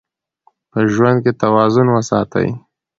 په ژوند کې توازن وساتئ.